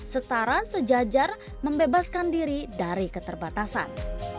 setara sejajar membebaskan diri dari keterbatasan